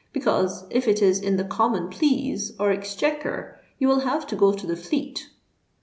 because, if it is in the Common Pleas or Exchequer, you will have to go to the Fleet."